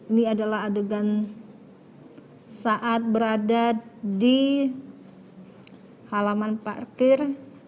ini adalah adegan saat berada di halaman parkir